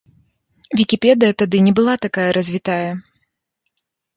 Вікіпедыя тады не была такая развітая.